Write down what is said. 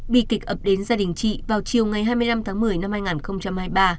bi kịch ập đến gia đình chị vào chiều ngày hai mươi năm tháng một mươi năm hai nghìn hai mươi ba